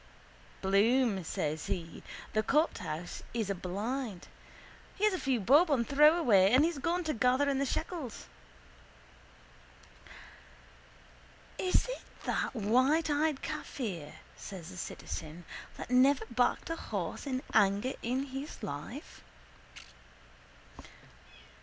—Bloom, says he. The courthouse is a blind. He had a few bob on Throwaway and he's gone to gather in the shekels. —Is it that whiteeyed kaffir? says the citizen, that never backed a horse in anger in his life?